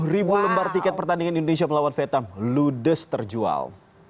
dua puluh ribu lembar tiket pertandingan indonesia melawan vietnam ludes terjual